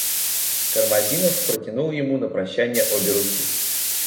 Кармазинов протянул ему на прощание обе руки.